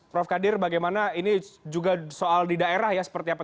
prof kadir bagaimana ini juga soal di daerah ya seperti apa